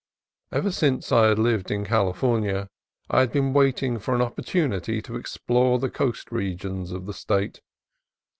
Ever since I had lived in California I had been waiting for an opportunity to explore the coast regions of the State.